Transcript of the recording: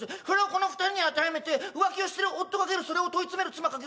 それをこの２人に当てはめて浮気をしてる夫×それを問い詰める妻×